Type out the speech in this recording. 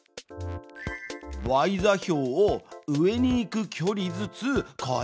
「ｙ座標を上に行く距離ずつ変える」。